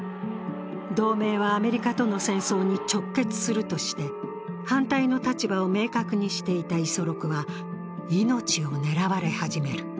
同盟は、アメリカとの戦争に直結するとして反対の立場を明確にしていた五十六は命を狙われ始める。